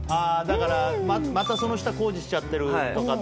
だからまたその下工事しちゃってるとかで。